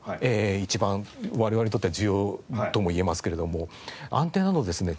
一番我々にとっては重要ともいえますけれどもアンテナのですね